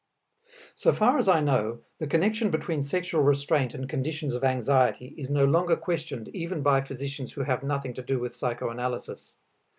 So far as I know, the connection between sexual restraint and conditions of anxiety is no longer questioned even by physicians who have nothing to do with psychoanalysis.